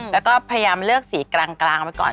แล้วก็พยายามเลือกสีกลางไว้ก่อน